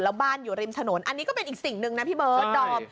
แล้วบ้านอยู่ริมถนนอันนี้ก็เป็นอีกสิ่งหนึ่งนะพี่เบิร์ดดอม